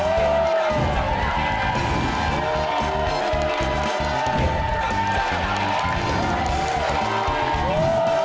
นี่คือ